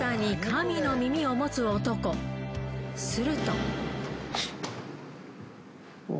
「すると」